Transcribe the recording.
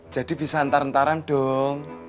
jadi bisa antaran antaran dong